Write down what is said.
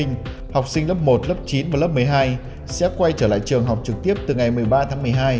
học sinh lớp một lớp chín và lớp một mươi hai sẽ quay trở lại trường học trực tiếp từ ngày một mươi ba tháng một mươi hai